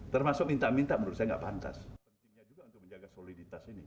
termasuk minta minta menurut saya tidak pantas